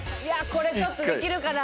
これちょっとできるかな？